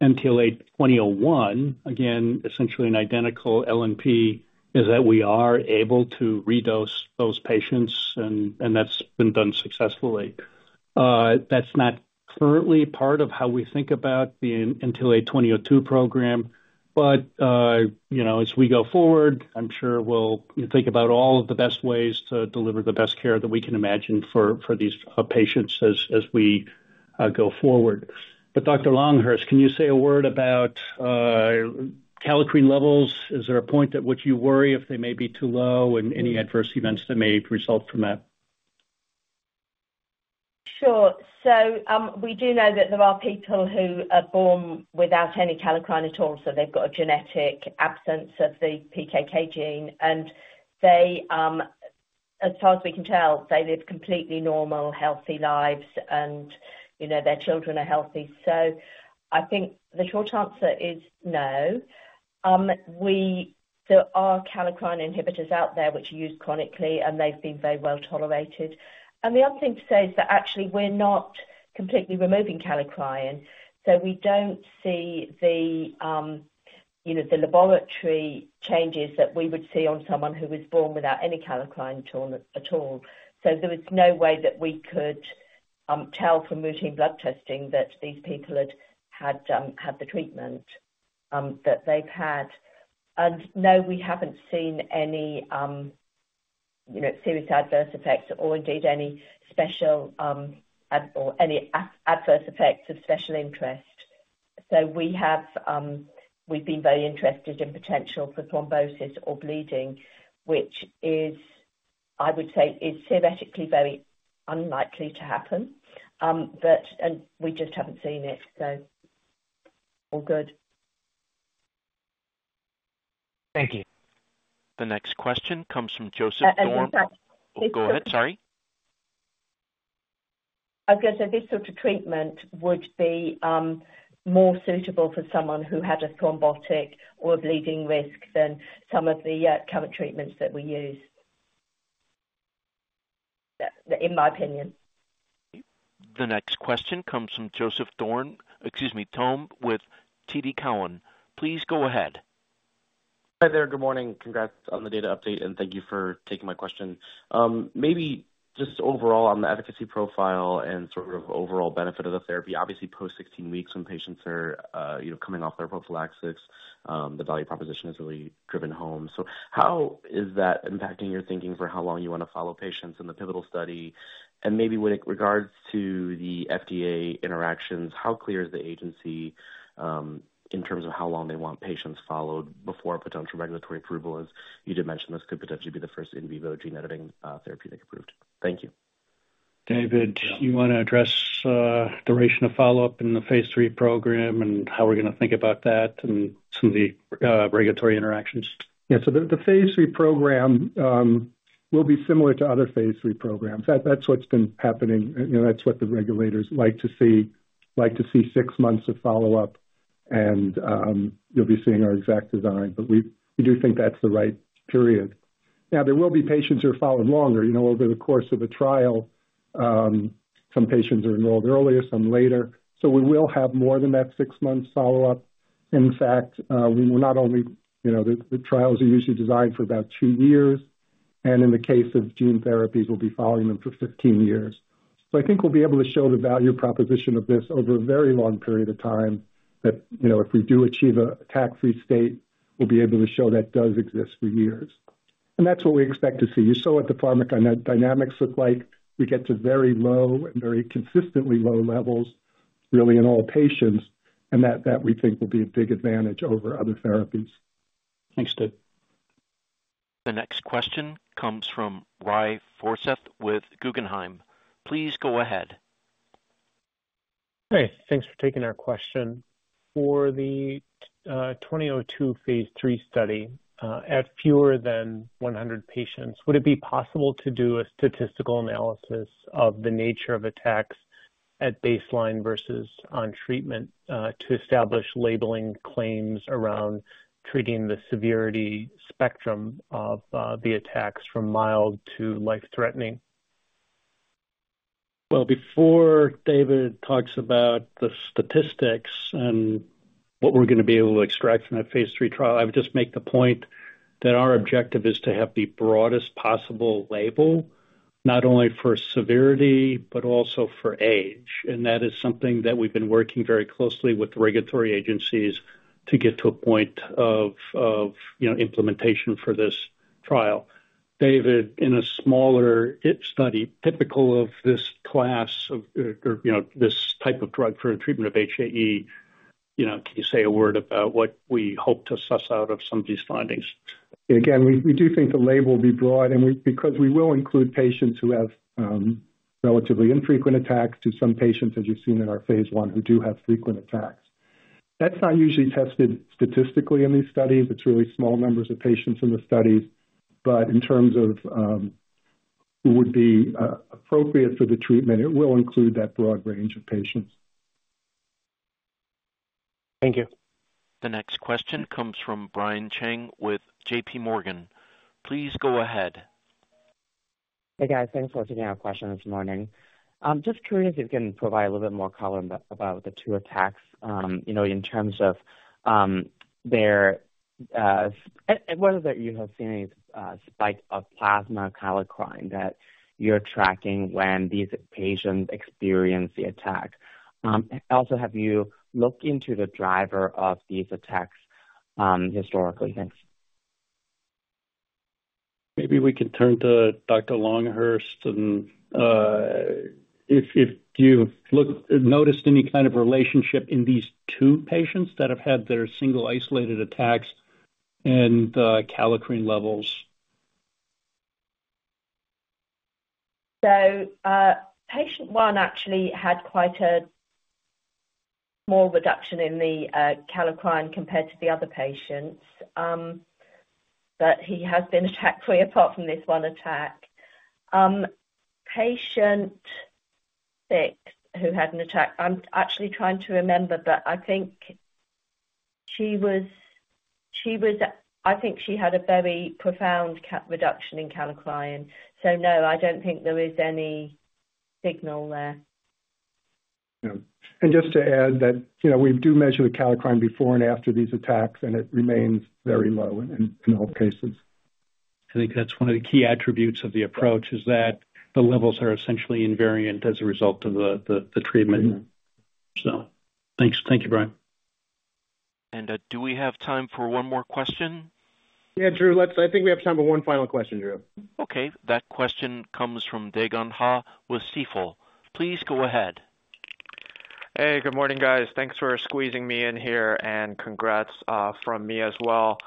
NTLA-2001, again, essentially an identical LNP, is that we are able to redose those patients, and that's been done successfully. That's not currently part of how we think about the NTLA-2002 program, but you know, as we go forward, I'm sure we'll think about all of the best ways to deliver the best care that we can imagine for these patients as we go forward. But Dr. Longhurst, can you say a word about kallikrein levels? Is there a point at which you worry if they may be too low and any adverse events that may result from that? Sure. So, we do know that there are people who are born without any kallikrein at all, so they've got a genetic absence of the PKK gene, and they, as far as we can tell, they live completely normal, healthy lives and, you know, their children are healthy. So I think the short answer is no. There are kallikrein inhibitors out there which are used chronically, and they've been very well tolerated. The other thing to say is that actually we're not completely removing kallikrein, so we don't see the, you know, the laboratory changes that we would see on someone who was born without any kallikrein at all. So there was no way that we could tell from routine blood testing that these people had the treatment that they've had. No, we haven't seen any, you know, serious adverse effects or indeed any special adverse effects of special interest. So we have, we've been very interested in potential for thrombosis or bleeding, which, I would say, is theoretically very unlikely to happen. But, and we just haven't seen it, so all good. Thank you. The next question comes from Joseph Thome. In fact- Go ahead, sorry. I was going to say this sort of treatment would be more suitable for someone who had a thrombotic or bleeding risk than some of the current treatments that we use. In my opinion. The next question comes from Joseph Thome. Excuse me, Thome, with TD Cowen. Please go ahead. Hi there. Good morning. Congrats on the data update, and thank you for taking my question. Maybe just overall on the efficacy profile and sort of overall benefit of the therapy. Obviously, post 16 weeks, when patients are, you know, coming off prophylaxis, the value proposition is really driven home. So how is that impacting your thinking for how long you want to follow patients in the pivotal study? Maybe with regards to the FDA interactions, how clear is the agency, in terms of how long they want patients followed before potential regulatory approval, as you did mention, this could potentially be the first in vivo gene editing, therapeutic approved. Thank you. David, do you want to address duration of follow-up in the Phase III program and how we're going to think about that and some of the regulatory interactions? Yeah. So the Phase III program will be similar to other Phase III programs. That's what's been happening. You know, that's what the regulators like to see, like to see six months of follow-up, and you'll be seeing our exact design, but we do think that's the right period. Now, there will be patients who are followed longer, you know, over the course of a trial. Some patients are enrolled earlier, some later, so we will have more than that six-month follow-up. In fact, we will not only, you know, the trials are usually designed for about two years, and in the case of gene therapies, we'll be following them for 15 years. So, I think we'll be able to show the value proposition of this over a very long period of time, that, you know, if we do achieve an attack-free state, we'll be able to show that it does exist for years and that's what we expect to see. You saw what the pharmacodynamics look like. We get to very low and very consistently low levels, really, in all patients, and that, that we think will be a big advantage over other therapies. Thanks, Dave. The next question comes from Ry Forseth with Guggenheim. Please go ahead. Hey, thanks for taking our question. For the NTLA-2002 Phase III study at fewer than 100 patients, would it be possible to do a statistical analysis of the nature of attacks at baseline versus on treatment to establish labeling claims around treating the severity spectrum of the attacks from mild to life-threatening? Well, before David talks about the statistics and what we're going to be able to extract from that Phase III trial, I would just make the point that our objective is to have the broadest possible label, not only for severity, but also for age. That is something that we've been working very closely with the regulatory agencies to get to a point of, of, you know, implementation for this trial. David, in a smaller study, typical of this class of, or, you know, this type of drug for a treatment of HAE, you know, can you say a word about what we hope to suss out of some of these findings? Again, we, we do think the label will be broad, and we, because we will include patients who have relatively infrequent attacks, to some patients, as you've seen in our Phase I, who do have frequent attacks. That's not usually tested statistically in these studies. It's really small numbers of patients in the studies, but in terms of who would be appropriate for the treatment, it will include that broad range of patients. Thank you. The next question comes from Brian Cheng with JP Morgan. Please go ahead. Hey, guys. Thanks for taking our question this morning. Just curious if you can provide a little bit more color about the two attacks, you know, in terms of their... And whether you have seen any spike of plasma kallikrein that you're tracking when these patients experience the attack. Also, have you looked into the driver of these attacks historically? Thanks. Maybe we can turn to Dr. Longhurst, and if you've looked, noticed any kind of relationship in these two patients that have had their single isolated attacks and kallikrein levels? So, Patient 1 actually had quite a small reduction in the kallikrein compared to the other patients. But he has been attack-free apart from this one attack. Patient 6, who had an attack, I'm actually trying to remember, but I think she had a very profound reduction in kallikrein. So no, I don't think there is any signal there. Yeah. Just to add that, you know, we do measure the kallikrein before and after these attacks, and it remains very low in all cases. I think that's one of the key attributes of the approach, is that the levels are essentially invariant as a result of the treatment. Yeah. Thanks. Thank you, Brian. Do we have time for one more question? Yeah, Drew, let's... I think we have time for one final question, Drew. Okay, that question comes from Dae Gon Ha with Stifel. Please go ahead. Hey, good morning, guys. Thanks for squeezing me in here, and congrats from me as well.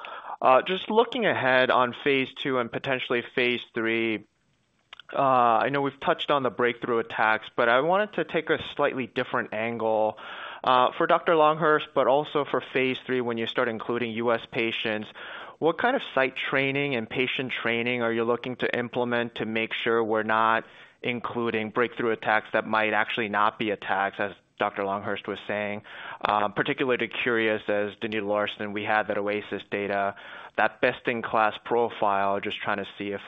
Just looking ahead on Phase II and potentially Phase III, I know we've touched on the breakthrough attacks, but I wanted to take a slightly different angle. For Dr. Longhurst, but also for Phase III, when you start including U.S. patients, what kind of site training and patient training are you looking to implement to make sure we're not including breakthrough attacks that might actually not be attacks, as Dr. Longhurst was saying? Particularly curious, as donidalorsen, we had that OASIS data, that best-in-class profile. Just trying to see if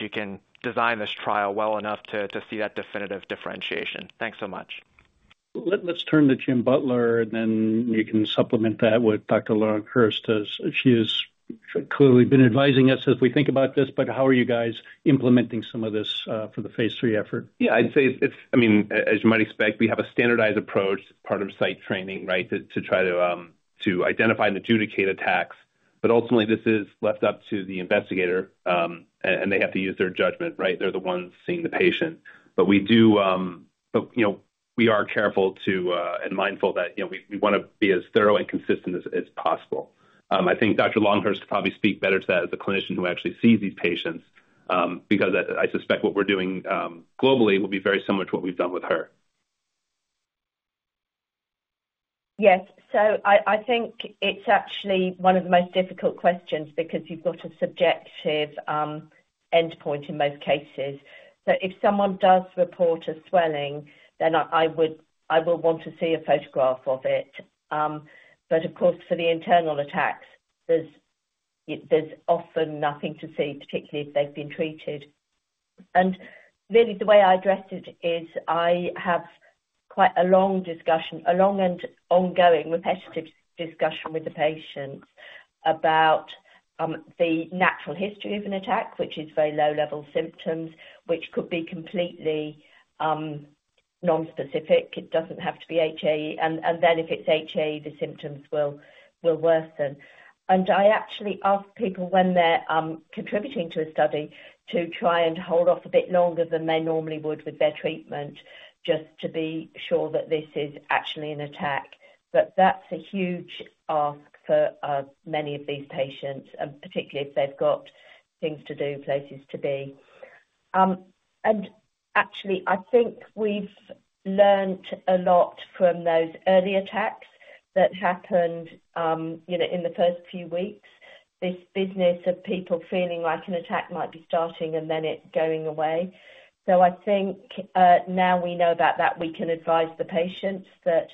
you can design this trial well enough to see that definitive differentiation. Thanks so much. Let's turn to Jim Butler, and then you can supplement that what Dr. Longhurst. She has clearly been advising us as we think about this, but how are you guys implementing some of this for the Phase III effort? Yeah, I'd say it's... I mean, as you might expect, we have a standardized approach, part of site training, right? To try to identify and adjudicate attacks. But ultimately, this is left up to the investigator, and they have to use their judgment, right? They're the ones seeing the patient. But we do, but, you know, we are careful to and mindful that, you know, we wanna be as thorough and consistent as possible. I think Dr. Longhurst could probably speak better to that as a clinician who actually sees these patients, because I suspect what we're doing globally will be very similar to what we've done with her. Yes. So I think it's actually one of the most difficult questions because you've got a subjective endpoint in most cases. So if someone does report a swelling, then I would want to see a photograph of it. But of course, for the internal attacks, there's often nothing to see, particularly if they've been treated. Really, the way I address it is I have quite a long discussion, a long and ongoing repetitive discussion with the patients about the natural history of an attack, which is very low-level symptoms, which could be completely nonspecific. It doesn't have to be HAE. Then if it's HAE, the symptoms will worsen. I actually ask people when they're contributing to a study, to try and hold off a bit longer than they normally would with their treatment, just to be sure that this is actually an attack. But that's a huge ask for many of these patients, and particularly if they've got things to do, places to be. Actually, I think we've learned a lot from those early attacks that happened, you know, in the first few weeks. This business of people feeling like an attack might be starting and then it going away. I think, now we know about that, we can advise the patients that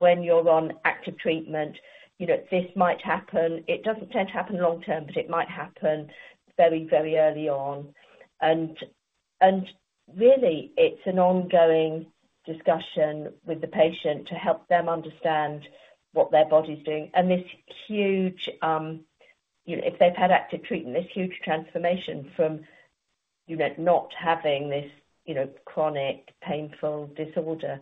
when you're on active treatment, you know, this might happen. It doesn't tend to happen long term, but it might happen very, very early on. Really, it's an ongoing discussion with the patient to help them understand what their body's doing. And this huge, you know, if they've had active treatment, this huge transformation from, you know, not having this, you know, chronic, painful disorder.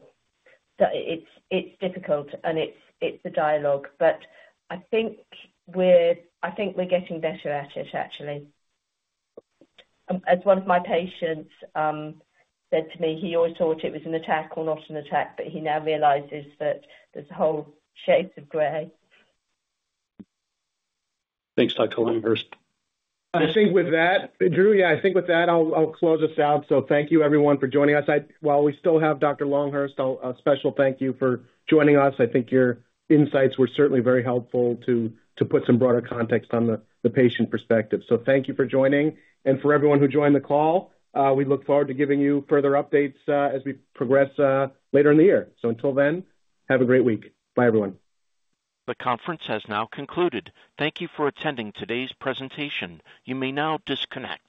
So it's, it's difficult and it's, it's a dialogue, but I think we're, I think we're getting better at it, actually. As one of my patients said to me, he always thought it was an attack or not an attack, but he now realizes that there's whole shades of gray. Thanks, Dr. Longhurst. I think with that, Drew, yeah, I think with that, I'll close us out. So thank you everyone for joining us. While we still have Dr. Longhurst, a special thank you for joining us. I think your insights were certainly very helpful to put some broader context on the patient perspective. So thank you for joining. For everyone who joined the call, we look forward to giving you further updates as we progress later in the year. So until then, have a great week. Bye, everyone. The conference has now concluded. Thank you for attending today's presentation. You may now disconnect.